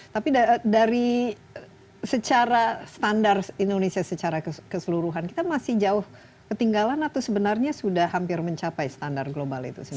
tapi dari secara standar indonesia secara keseluruhan kita masih jauh ketinggalan atau sebenarnya sudah hampir mencapai standar global itu sendiri